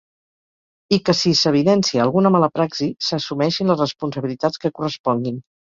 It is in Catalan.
I que si s’evidencia alguna ‘mala praxi’, s’assumeixin les responsabilitats que corresponguin.